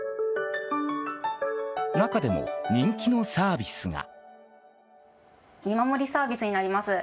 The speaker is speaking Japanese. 中でも人気のサービスが。